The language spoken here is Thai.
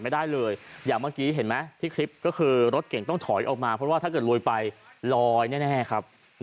ด้านหน้าน้ำมันท่วมเยอะ